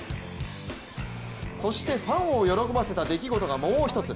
そして、ファンを喜ばせた出来事がもう一つ。